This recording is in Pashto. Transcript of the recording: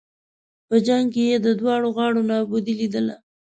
په جنګ کې یې د دواړو غاړو نابودي لېدله.